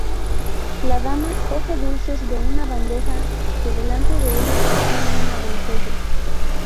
La dama coge dulces de una bandeja que delante de ella sostiene una doncella.